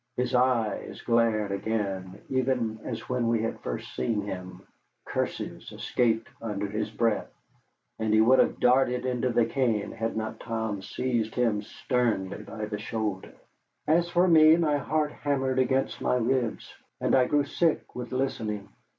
His eyes glared again, even as when we had first seen him, curses escaped under his breath, and he would have darted into the cane had not Tom seized him sternly by the shoulder. As for me, my heart hammered against my ribs, and I grew sick with listening.